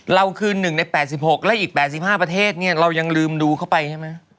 เราคือ๑ใน๘๖และอีก๘๕ประเทศเนี่ยเรายังลืมดูเข้าไปใช่ไหม